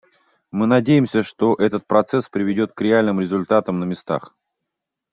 Мы надеемся, что этот процесс приведет к реальным результатам на местах.